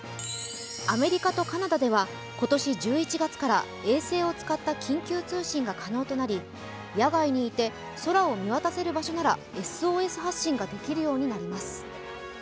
アメリカとカナダでは今年１１月から衛星を使った緊急通信が可能となり、野外にいて、空を見渡せる場所ならＳＯＳ発信ができるようになります。